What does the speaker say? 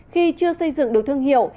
khi chưa xây dựng được thương hiệu